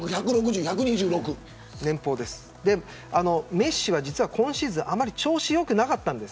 メッシは今シーズンはあまり調子が良くなかったんです。